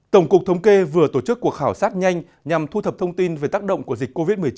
tổng cục thống kê vừa tổ chức cuộc khảo sát nhanh nhằm thu thập thông tin về tác động của dịch covid một mươi chín